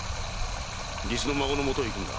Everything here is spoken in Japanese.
実の孫のもとへ行くのだ。